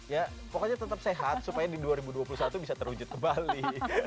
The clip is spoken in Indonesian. ya pokoknya tetap sehat supaya di dua ribu dua puluh satu bisa terwujud kembali